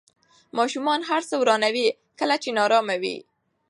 ماشومان هر څه ورانوي کله چې نارامه وي.